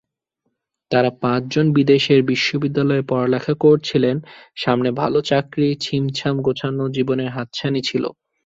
তাঁরা পাঁচজন বিদেশের বিশ্ববিদ্যালয়ে পড়ালেখা করছিলেন, সামনে ভালো চাকরি-ছিমছাম গোছানো জীবনের হাতছানি ছিল।